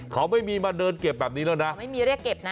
เขาไม่มีมาเดินเก็บแบบนี้แล้วนะไม่มีเรียกเก็บนะ